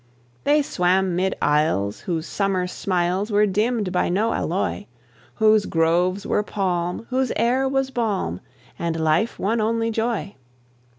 They swam 'mid isles whose summer smiles Were dimmed by no alloy; Whose groves were palm, whose air was balm, And life one only joy.